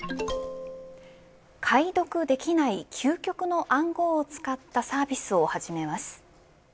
解読できない究極の暗号を使ったサービスを始めます。